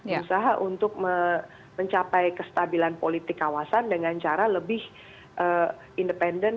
berusaha untuk mencapai kestabilan politik kawasan dengan cara lebih independen